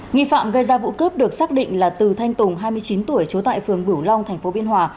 nghị phạm gây ra vụ cướp được xác định là từ thanh tùng hai mươi chín tuổi chố tại phường bửu long tp biên hòa